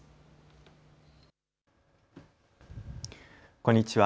こんにちは。